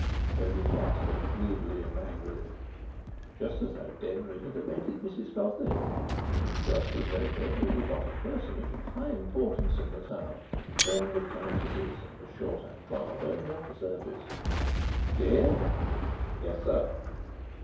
said his master, rudely and angrily. Just as though Denry had abetted Mrs Codleyn! Just as though Denry was not a personage of high importance in the town, the friend of countesses, and a shorthand clerk only on the surface. "Do you hear?" "Yes, sir."